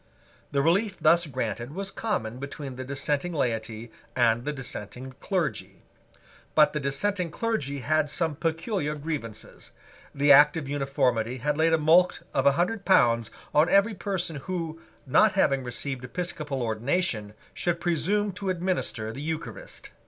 The relief thus granted was common between the dissenting laity and the dissenting clergy. But the dissenting clergy had some peculiar grievances. The Act of Uniformity had laid a mulct of a hundred pounds on every person who, not having received episcopal ordination, should presume to administer the Eucharist.